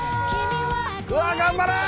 うわ頑張れ！